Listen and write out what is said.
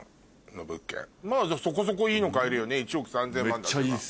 そこそこいいの買えるよね１億３０００万だとか。